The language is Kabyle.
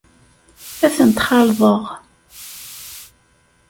Ad ten-xalḍeɣ.